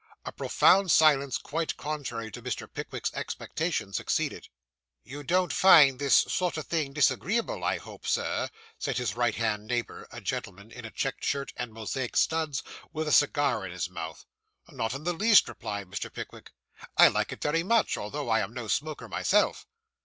A profound silence, quite contrary to Mr. Pickwick's expectation, succeeded. 'You don't find this sort of thing disagreeable, I hope, sir?' said his right hand neighbour, a gentleman in a checked shirt and Mosaic studs, with a cigar in his mouth. 'Not in the least,' replied Mr. Pickwick; 'I like it very much, although I am no smoker myself.